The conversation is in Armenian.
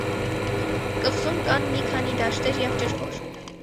Կղզում կան մի քանի դաշտեր և ջրհոր։